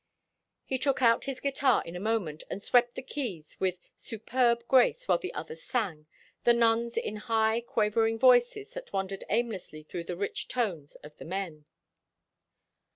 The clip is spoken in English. He took out his guitar in a moment and swept the keys with superb grace while the others sang, the nuns in high, quavering voices that wandered aimlessly through the rich tones of the men.